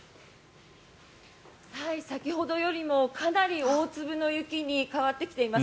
先ほどよりもかなり大粒の雪に変わってきています。